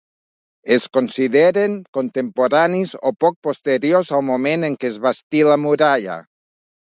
Es consideren contemporanis o poc posteriors al moment en què es bastí la muralla.